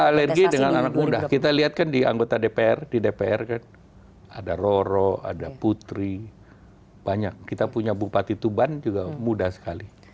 alergi dengan anak muda kita lihat kan di anggota dpr di dpr kan ada roro ada putri banyak kita punya bupati tuban juga muda sekali